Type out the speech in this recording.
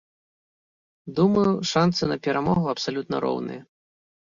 Думаю, шанцы на перамогу абсалютна роўныя.